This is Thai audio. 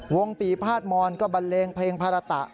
ปีภาษมอนก็บันเลงเพลงภาระตะ